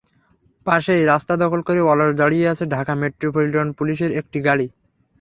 পাশেই রাস্তা দখল করে অলস দাঁড়িয়ে আছে ঢাকা মেট্রোপলিটন পুলিশের একটি গাড়ি।